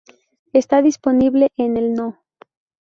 Está disponible en el No.